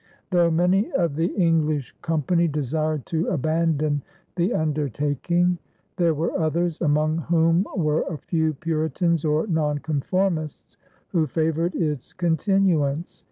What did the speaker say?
Though many of the English company desired to abandon the undertaking, there were others, among whom were a few Puritans or Nonconformists, who favored its continuance.